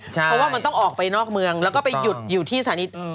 เพราะว่ามันต้องออกไปนอกเมืองแล้วก็ไปหยุดอยู่ที่สถานี